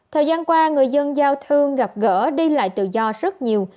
thời gian qua người dân giao thương gặp gỡ đi lại tự do rất nhiều